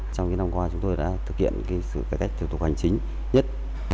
trong năm qua chúng tôi đã thực hiện sự cải cách thủ tục hành chính nhất